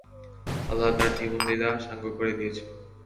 আল্লাহ তার জীবন লীলা সাঙ্গ করে দিয়েছেন।